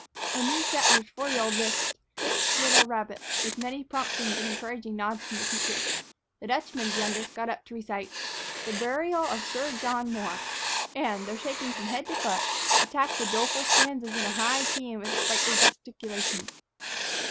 A new settler's four year old lisped "Six Little Rabbits," with many promptings and encouraging nods from the teacher. The Dutchman's youngest got up to recite "The Burial of Sir John Moore," and, though shaking from head to foot, attacked the doleful stanzas in a high key and with sprightly gesticulations.